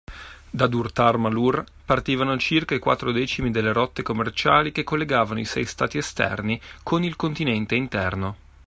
Da Durtar Malur partivano circa i quattro decimi delle rotte commerciali che collegavano i sei stati esterni con il continente interno.